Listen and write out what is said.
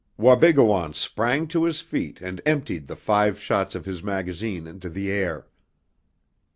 Wabigoon sprang to his feet and emptied the five shots of his magazine into the air.